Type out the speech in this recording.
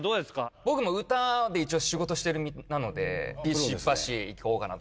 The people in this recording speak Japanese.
僕も歌で一応仕事してる身なのでビシバシいこうかなと。